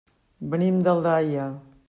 Venim d'Aldaia.